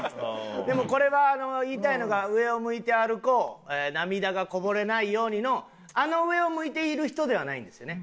でもこれは言いたいのが「上を向いて歩こう涙がこぼれないように」のあの「上を向いている人」ではないんですよね。